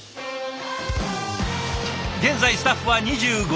現在スタッフは２５人。